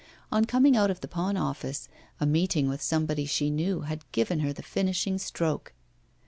On coming out of the pawn office, a meeting with somebody she knew had given her the finishing stroke.